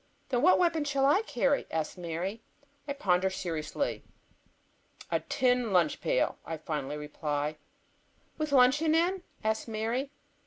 "Then what weapon shall I carry?" asks Mary. I ponder seriously. "A tin lunch pail," I finally reply. "With luncheon in?" asks Mary.